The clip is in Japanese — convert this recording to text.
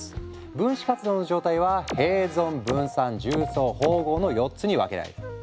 分子活動の状態は併存分散重層包合の４つに分けられる。